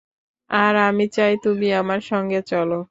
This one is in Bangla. আর আমি চাই তুমি আমার সঙ্গে চলো।